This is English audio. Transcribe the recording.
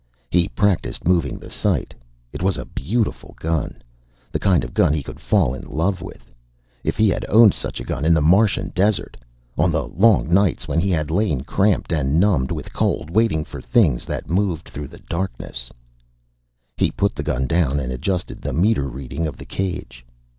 He practiced moving the sight. It was a beautiful gun, the kind of gun he could fall in love with. If he had owned such a gun in the Martian desert on the long nights when he had lain, cramped and numbed with cold, waiting for things that moved through the darkness He put the gun down and adjusted the meter readings of the cage.